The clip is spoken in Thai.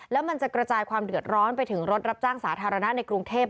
แล้วมันจะกระจายความเดือดร้อนไปถึงรถรับจ้างสาธารณะในกรุงเทพ